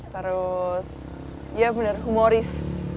terus ya bener humoris